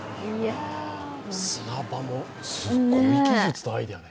砂場もすっごい技術とアイデアだね。